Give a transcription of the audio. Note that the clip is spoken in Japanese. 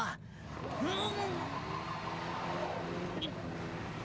うん。